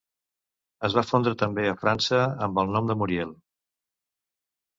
Es va fondre també a França amb el nom de Muriel.